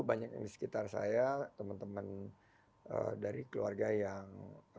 banyak yang di sekitar saya teman teman dari keluarga yang